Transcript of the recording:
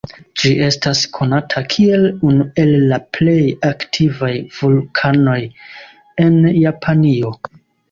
Ĝi estas konata kiel unu el la plej aktivaj vulkanoj en Japanio.